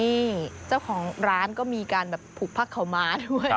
นี่เจ้าของร้านก็มีการแบบผูกผ้าขาวม้าด้วย